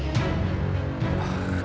itu mungkin karena kekuatan suling naga emas tadi